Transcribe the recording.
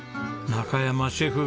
中山シェフ